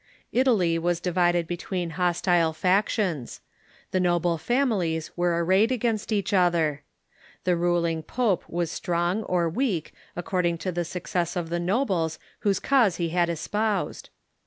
Italy was divided between hostile factions. The noble families Pornocracy ^.,, rr<i i were arrayed against each other. I he ruling jiope was strong or weak, according to the success of the nobles whose cause he had espoused.